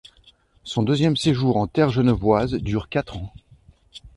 Son deuxième séjour en terre genevoise dure quatre ans.